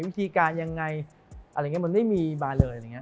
วิธีการยังไงมันไม่มีมาเลย